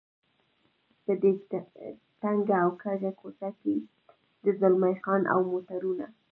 په دې تنګه او کږه کوڅه کې د زلمی خان او موټرونه.